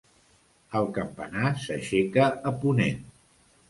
El campanar s'aixeca a ponent.